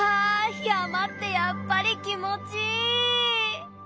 山ってやっぱり気持ちいい。